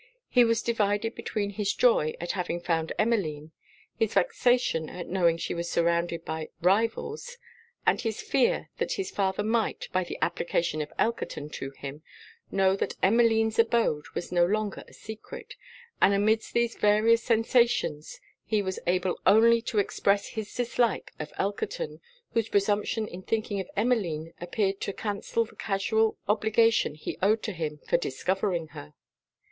He was divided between his joy at having found Emmeline, his vexation at knowing she was surrounded by rivals, and his fear that his father might, by the application of Elkerton to him, know that Emmeline's abode was no longer a secret: and amidst these various sensations, he was able only to express his dislike of Elkerton, whose presumption in thinking of Emmeline appeared to cancel the casual obligation he owed to him for discovering her.